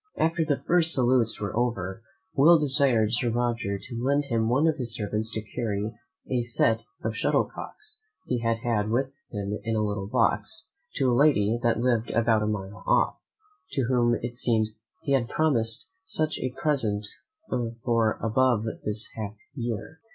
After the first salutes were over, Will desired Sir Roger to lend him one of his servants to carry a set of shuttle cocks he had with him in a little box to a lady that lived about a mile off, to whom it seems he had promised such a present for above this half year.